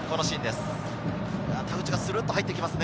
田口がスルっと入ってきますね。